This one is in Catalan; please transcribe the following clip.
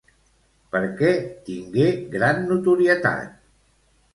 Per què tingué gran notorietat?